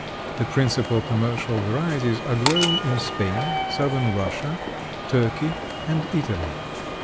The principal commercial varieties are grown in Spain, southern Russia, Turkey and Italy.